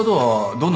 どんな？